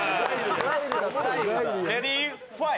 レディー・ファイ！